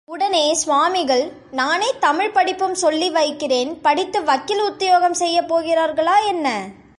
உடனே சுவாமிகள், நானே தமிழ்ப் படிப்பும் சொல்லி வைக்கிறேன் படித்து வக்கீல் உத்தியோகம் செய்யப் போகிறார்களா, என்ன!